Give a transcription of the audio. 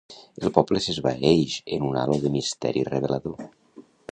El poble s'esvaeix en un halo de misteri revelador